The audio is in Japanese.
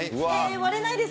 割れないです。